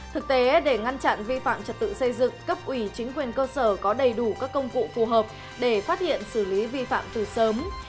thực tế để ngăn chặn vi phạm trật tự xây dựng cấp ủy chính quyền cơ sở có đầy đủ các công cụ phù hợp để phát hiện xử lý vi phạm từ sớm